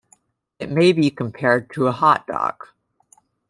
It may be compared to a hot dog.